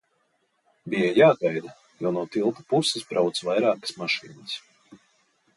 Bija jāgaida, jo no tilta puses brauca vairākas mašīnas.